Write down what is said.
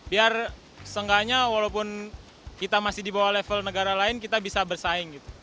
biar seenggaknya walaupun kita masih di bawah level negara lain kita bisa bersaing gitu